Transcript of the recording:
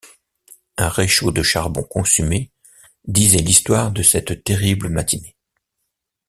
Un réchaud de charbon consumé disait l’histoire de cette terrible matinée.